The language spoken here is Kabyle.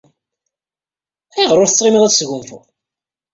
Ayɣer ur tettɣimiḍ ad tesgunfuḍ?